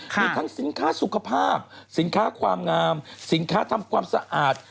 มีทั้งสินค้าสุขภาพสินค้าความงามสินค้าทำความสะอาด